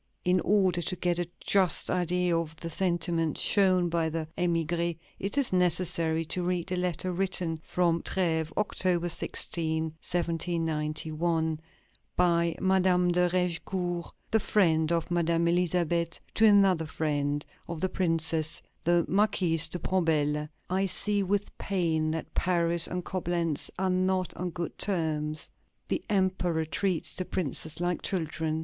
In order to get a just idea of the sentiments shown by the émigrés, it is necessary to read a letter written from Trèves, October 16, 1791, by Madame de Raigecourt, the friend of Madame Elisabeth, to another friend of the Princess, the Marquise de Bombelles: "I see with pain that Paris and Coblentz are not on good terms. The Emperor treats the Princes like children....